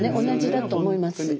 同じだと思います。